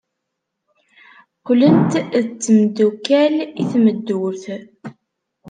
Qqlent d tmeddukal i tmeddurt.